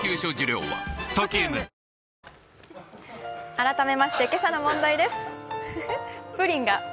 改めまして今朝の問題です。